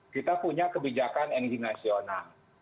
kita punya kebijakan energi nasional